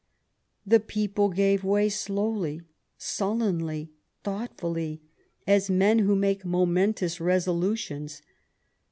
The people gave way slowly, sullenly, thoughtfully, as men who make momentous resolutions.